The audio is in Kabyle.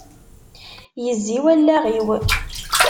Yezzi wallaɣ-iw.